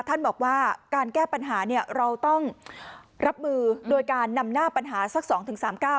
ท่านบอกว่าการแก้ปัญหาเนี่ยเราต้องรับมือโดยการนำหน้าปัญหาสักสองถึงสามก้าว